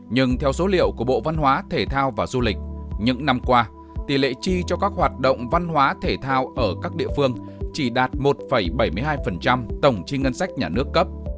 nhưng theo số liệu của bộ văn hóa thể thao và du lịch những năm qua tỷ lệ chi cho các hoạt động văn hóa thể thao ở các địa phương chỉ đạt một bảy mươi hai tổng chi ngân sách nhà nước cấp